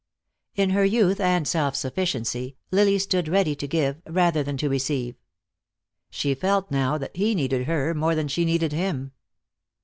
In her youth and self sufficiency Lily stood ready to give, rather than to receive. She felt now that he needed her more than she needed him.